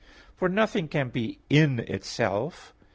For nothing can be in itself.